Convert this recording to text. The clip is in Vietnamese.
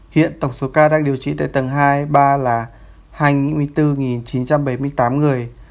hiện tổng số ca đang điều trị tại tầng hai ba là hai mươi bốn chín trăm bảy mươi tám người